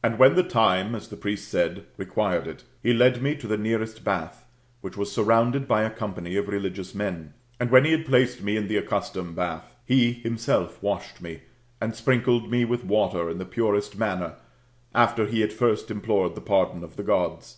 And when the time, as the pnest said, required it, he led me to the nearest bath, which was surrounded by a company of religious men ; and when he had placed me in the accustomed bath, he himself washed me, and sprinkled me with water in the purest manner, after he had first implored the pardon of the Gods.